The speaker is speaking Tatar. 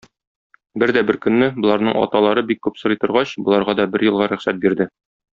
Бер дә беркөнне боларның аталары, бик күп сорый торгач, боларга да бер елга рөхсәт бирде.